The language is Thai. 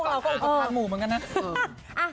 เราก็ทานหมู่เหมือนกันนะ